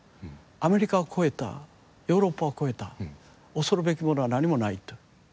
アメリカを超えたヨーロッパを超えた恐るべきものは何もない」と。